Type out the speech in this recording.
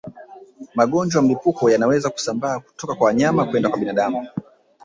Magonjwa ya mlipuko yanaweza kusambaa kutoka kwa wanyama kwenda kwa binadamu